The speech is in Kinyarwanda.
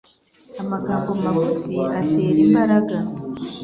Amagambo magufi atera imbaraga